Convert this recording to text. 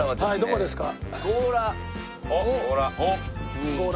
どこですか？